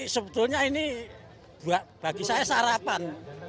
sebetulnya ini bagi saya sarapan